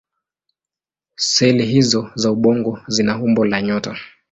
Seli hizO za ubongo zina umbo la nyota.